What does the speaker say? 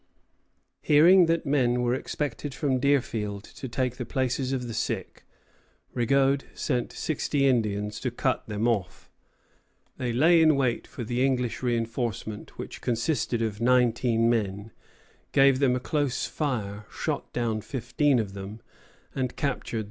Hearing that men were expected from Deerfield to take the places of the sick, Rigaud sent sixty Indians to cut them off. They lay in wait for the English reinforcement, which consisted of nineteen men, gave them a close fire, shot down fifteen of them, and captured the rest.